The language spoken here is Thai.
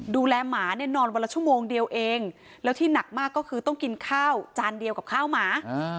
หมาเนี่ยนอนวันละชั่วโมงเดียวเองแล้วที่หนักมากก็คือต้องกินข้าวจานเดียวกับข้าวหมา